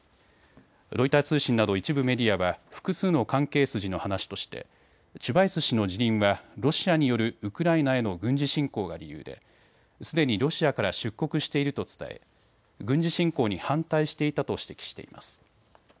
ロイター通信など一部メディアは複数の関係筋の話としてチュバイス氏の辞任はロシアによるウクライナへの軍事侵攻が理由ですでにロシアから出国していると伝え、軍事侵攻に反対していたと指摘しています。